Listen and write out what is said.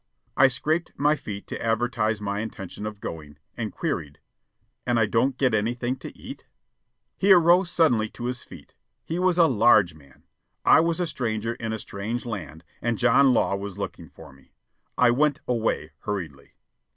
I scraped my feet to advertise my intention of going, and queried: "And I don't get anything to eat?" He arose suddenly to his feet. He was a large man. I was a stranger in a strange land, and John Law was looking for me. I went away hurriedly.